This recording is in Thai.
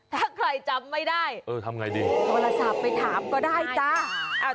ถ้าใครจำไม่ได้เออทำไงดีโทรศัพท์ไปถามก็ได้จ้า